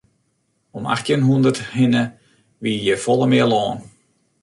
Om achttjin hûndert hinne wie hjir folle mear lân.